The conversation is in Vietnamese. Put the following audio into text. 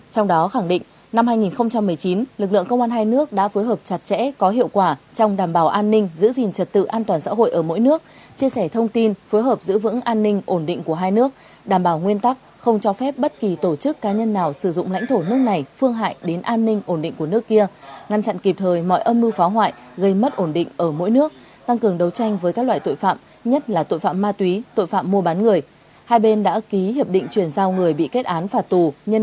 trong đó khẳng định năm hai nghìn một mươi chín lực lượng công an hai nước đã phối hợp chặt chẽ có hiệu quả trong đảm bảo an ninh giữ gìn trật tự an toàn xã hội ở mỗi nước chia sẻ thông tin phối hợp giữ vững an ninh ổn định của hai nước đảm bảo nguyên tắc không cho phép bất kỳ tổ chức cá nhân nào sử dụng lãnh thổ nước này phương hại đến an ninh ổn định của nước kia ngăn chặn kịp thời mọi âm mưu phá hoại gây mất ổn định ở mỗi nước tăng cường đấu tranh với các loại tội phạm nhất là tội phạm ma túy tội phạm